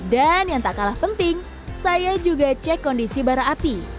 yang tak kalah penting saya juga cek kondisi bara api